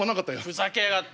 ふざけやがって！